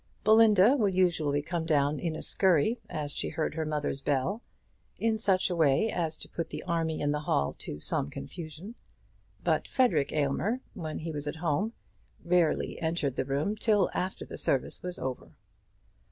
Belinda would usually come down in a scurry as she heard her mother's bell, in such a way as to put the army in the hall to some confusion; but Frederic Aylmer, when he was at home, rarely entered the room till after the service was over.